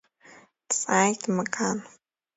Дҵааит Мкан.